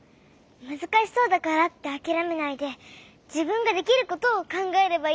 むずかしそうだからってあきらめないでじぶんができることをかんがえればいいのか。